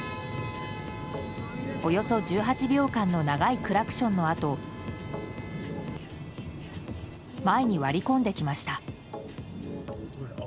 およそ１８秒間の長いクラクションのあと前に割り込んできました。